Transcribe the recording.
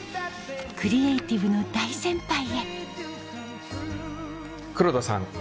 クリエーティブの大先輩へ黒田さん